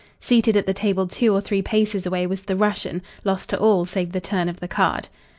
Seated at the table two or three paces away was the Russian, lost to all save the turn of the card.